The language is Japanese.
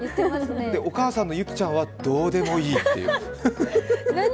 お母さんのユキちゃんはどうでもいいという。